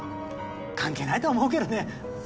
関係ないと思うけどね。